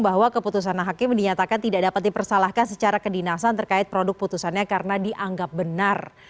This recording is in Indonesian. bahwa keputusan hakim dinyatakan tidak dapat dipersalahkan secara kedinasan terkait produk putusannya karena dianggap benar